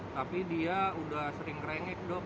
tapi dia udah sering rengek dok